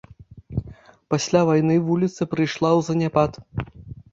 Пасля вайны вуліца прыйшла ў заняпад.